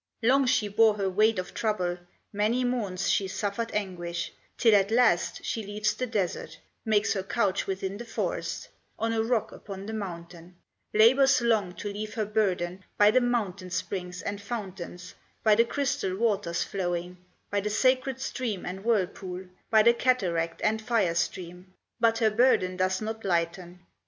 Long she bore her weight of trouble, Many morns she suffered anguish, Till at last she leaves the desert, Makes her couch within the forest, On a rock upon the mountain; Labors long to leave her burden By the mountain springs and fountains, By the crystal waters flowing, By the sacred stream and whirlpool, By the cataract and fire stream; But her burden does not lighten.